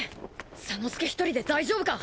左之助一人で大丈夫か？